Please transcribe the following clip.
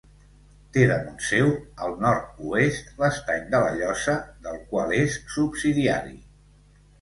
Té damunt seu, al nord-oest, l'Estany de la Llosa, del qual és subsidiari.